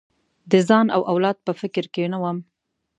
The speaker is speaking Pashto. د ځان او اولاد په فکر کې نه وم.